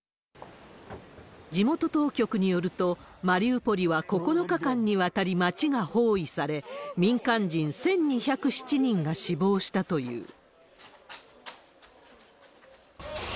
地元当局によると、マリウポリは９日間にわたり街が包囲され、民間人１２０７人が死亡したという。